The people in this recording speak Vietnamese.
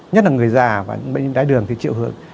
nhất là người già và những bệnh nhân đáy đường thì chịu hưởng